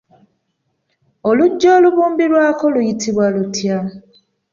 Oluggyo olubumbirwako luyitibwa lutya?